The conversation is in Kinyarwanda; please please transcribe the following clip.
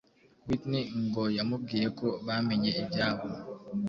Whitney ngo yamubwiye ko bamenye ibyabo